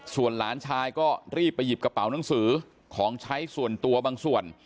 ส่วนหลานชายก็รีบไปหยิบกระเป๋าหนังสือของใช้ส่วนตัวบางส่วน